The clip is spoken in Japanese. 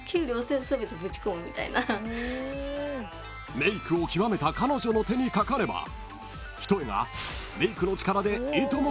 ［メイクを極めた彼女の手にかかれば一重がメイクの力でいとも